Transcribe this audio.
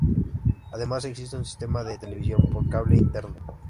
Además existe un sistema de televisión por cable interno.